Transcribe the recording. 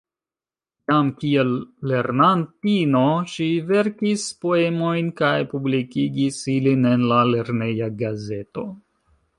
Jam kiel lernantino ŝi verkis poemojn kaj publikigis ilin en la lerneja gazeto.